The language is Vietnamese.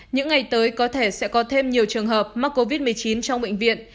những ngày tới có thể sẽ có thêm nhiều trường hợp mắc covid một mươi chín trong bệnh viện